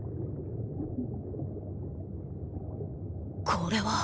これは。